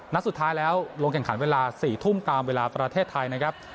นัดสุดท้ายแล้วลงแข่งขันเวลา๔ทุ่มตามเวลาประเทศไทยนะครับ